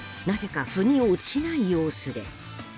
なぜか腑に落ちない様子です。